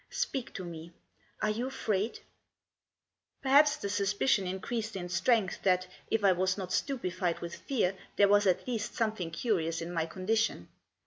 Speak to me. Are you afraid ?" Perhaps the suspicion increased in strength that, if I was not stupefied with fear, there was at least some thing curious in my condition.